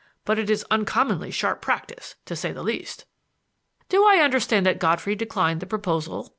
But it is uncommonly sharp practice, to say the least." "Do I understand that Godfrey declined the proposal?"